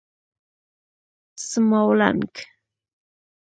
څماولنګ